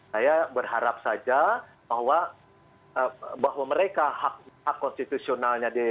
saya berharap saja bahwa mereka hak konstitusionalnya